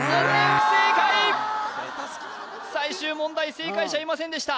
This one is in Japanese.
不正解最終問題正解者いませんでした